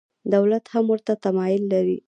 دولت هم ورته تمایل لري.